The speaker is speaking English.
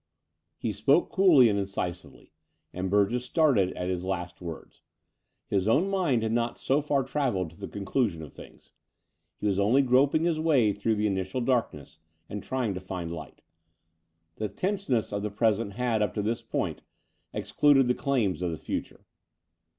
He spoke coolly and incisively: and Burgess started at his last words. His own mind had not so far travelled to the conclusion of things. He was only groping his way 'through the initial dark ness and trying to find light. The tenseness of the present had, up to this point, excluded the claims of the future.